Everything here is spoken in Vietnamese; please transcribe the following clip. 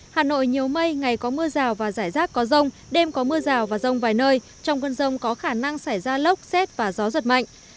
hà nội nhiều mây ngày có mưa rào và rải rác có rông đêm có mưa rào và rông vài nơi trong cơn rông có khả năng xảy ra lốc xét và gió giật mạnh